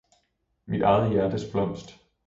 mit eget Hjertes Blomst!